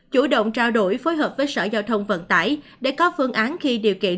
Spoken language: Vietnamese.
chủ động trao đổi phối hợp với sở giao thông vận tải để có phương án khi điều kiện